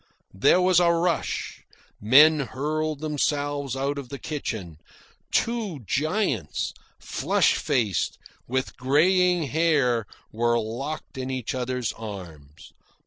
There was a rush. Men hurled themselves out of the kitchen. Two giants, flush faced, with greying hair, were locked in each other's arms.